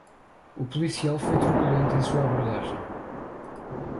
O policial foi truculento em sua abordagem